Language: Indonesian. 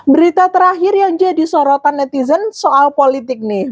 berita terakhir yang jadi sorotan netizen soal politik nih